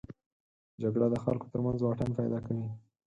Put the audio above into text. جګړه د خلکو تر منځ واټن پیدا کوي